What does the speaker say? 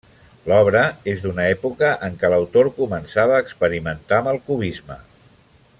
L'obra és d'una època en què l'autor començava a experimentar amb el cubisme.